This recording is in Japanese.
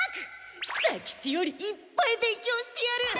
左吉よりいっぱい勉強してやる！